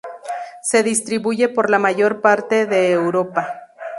Se distribuye por la mayor parte de Europa.